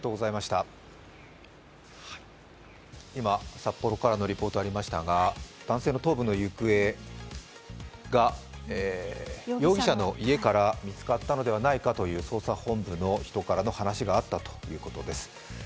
今、札幌からのリポートがありましたが、男性の頭部の行方が容疑者の家から見つかったのではないかという捜査本部の人からの話があったということです。